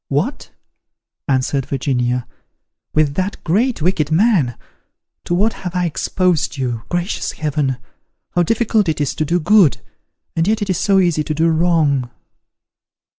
"What!" answered Virginia, "with that great wicked man? To what have I exposed you! Gracious heaven! how difficult it is to do good! and yet it is so easy to do wrong."